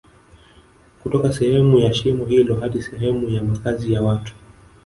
kutoka sehemu ya shimo hilo hadi sehemu ya makazi ya watu